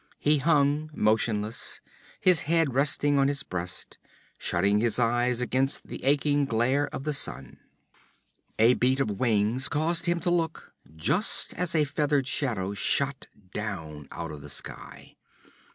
He hung motionless, his head resting on his breast, shutting his eyes against the aching glare of the sun. A beat of wings caused him to look, just as a feathered shadow shot down out of the sky.